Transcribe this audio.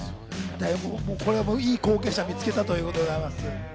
いい後継者を見つけたということでございます。